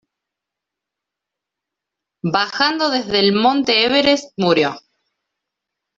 Bajando desde el monte Everest murió.